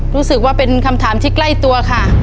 รู้สึกว่าเป็นคำถามที่ใกล้ตัวค่ะ